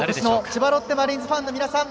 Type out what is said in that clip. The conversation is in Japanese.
千葉ロッテマリーンズファンの皆さん